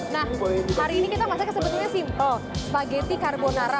nah hari ini kita masaknya sebetulnya simpel spaghetti carbonara